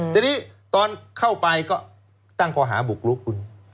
ทีนี้ตอนเข้าไปก็ตั้งข้อหาบุกลุกคุณ